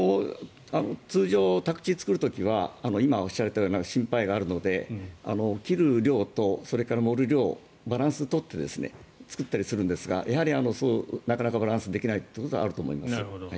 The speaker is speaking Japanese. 通常宅地を作る時は今おっしゃられたような心配があるので切る量と盛る量のバランスを取って作ったりするんですがやはりなかなかバランスできないことはあると思います。